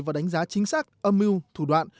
và đánh giá chính xác âm mưu thủ đoạn